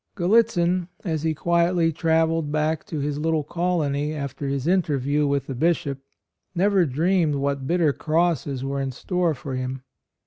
Gallitzin, as he quietly travelled back to his little colony after his interview with the Bishop, never dreamed what bitter crosses were in store for him.